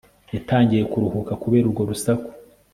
Yatangiye kuruhuka kubera urwo rusaku